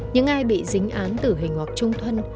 những ai bị dính án tử hình hoặc trung thân